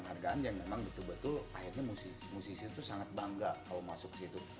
penghargaan yang memang betul betul akhirnya musisi itu sangat bangga kalau masuk ke situ